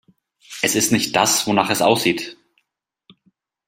Es ist nicht das, wonach es aussieht.